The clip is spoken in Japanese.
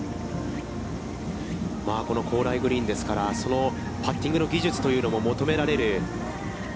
この高麗グリーンですから、そのパッティングの技術というのも求められる。